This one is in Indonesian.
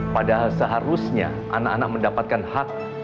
padahal seharusnya anak anak mendapatkan hak